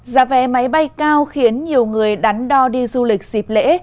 giá vé máy bay cao khiến nhiều người đắn đo đi du lịch dịp lễ